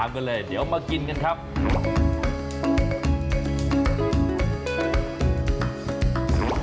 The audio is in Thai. อย่างแรกที่เราจะทานก็คือเป็นชาบูเลยดีกว่า